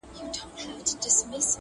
له خوار مجنونه پټه ده لیلا په کرنتین کي؛